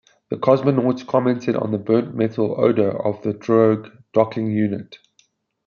The cosmonauts commented on the burnt-metal odor of the drogue docking unit.